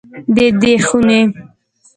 د دې خونې